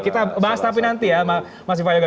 kita bahas tapi nanti ya mas iva yoga